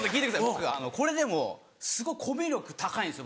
僕これでもすごくコミュ力高いんですよ